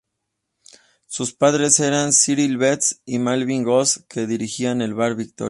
Sus padres eran Cyril Betts y Malvina Goss que dirigían el "Bar Victoria".